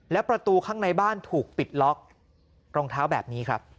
และประตูข้างในบ้านถูกปิดล็อกรองเท้าแบบนี้ครับ